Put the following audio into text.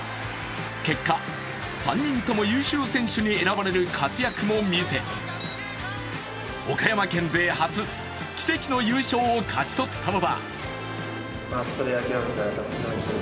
結果、３人とも優秀選手に選ばれる活躍も見せ岡山県勢初奇跡の優勝を勝ち取ったのだ。